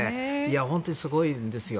本当にすごいんですよ。